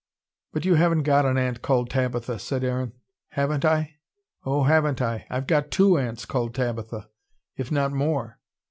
"But you haven't got an aunt called Tabitha," said Aaron. "Haven't I? Oh, haven't I? I've got TWO aunts called Tabitha: if not more."